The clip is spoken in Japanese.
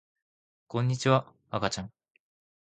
こんにちは、あかちゃん